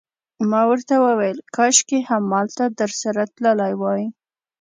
ما ورته وویل: کاشکي همالته درسره تللی وای.